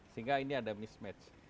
sehingga ini ada mismatch